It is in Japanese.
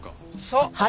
そう！